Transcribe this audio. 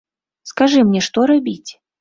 Скажы мне, што рабіць?